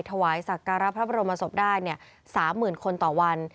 ถวายสักการะพระบรมศพได้๓๐๐๐คนต่อวัน